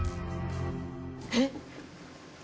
えっ。